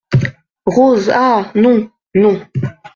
Rose Ah ! non !… non !…